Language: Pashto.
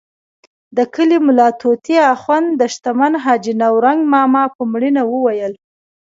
د کلي ملا طوطي اخند د شتمن حاجي نورنګ ماما په مړینه وویل.